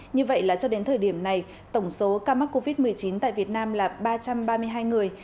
như vậy là cho đến thời điểm này tổng số ca mắc covid một mươi chín tại việt nam là ba trăm ba mươi hai người